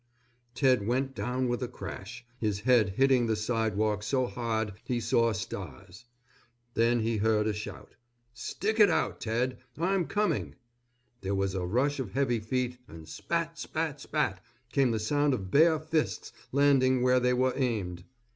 Ted went down with a crash, his head hitting the sidewalk so hard he saw stars. Then he heard a shout, "Stick it out, Ted, I'm coming!" There was a rush of heavy feet and spat, spat, spat, came the sound of bare fists landing where they were aimed.